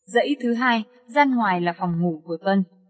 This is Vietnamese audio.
dãy thứ hai gian ngoài là phòng ngủ của tân